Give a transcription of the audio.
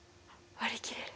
割り切れる。